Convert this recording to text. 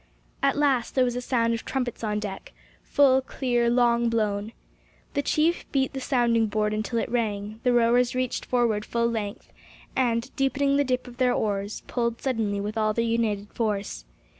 At last there was a sound of trumpets on deck, full, clear, long blown. The chief beat the sounding board until it rang; the rowers reached forward full length, and, deepening the dip of their oars, pulled suddenly with all their united force.